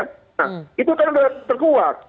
nah itu kan terkuat